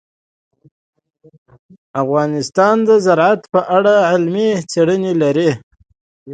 افغانستان د زراعت په اړه علمي څېړنې لري.